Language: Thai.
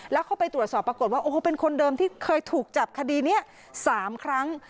แล้วเข้าไปตรวจสอบปรากฏว่าโอ้โหเป็นคนเดิมที่เคยถูกจับคดีนี้๓ครั้ง